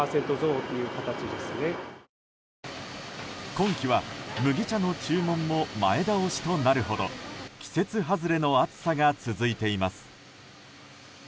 今季は麦茶の注文も前倒しとなるほど季節外れの暑さが続いています。